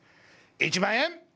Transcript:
１万円！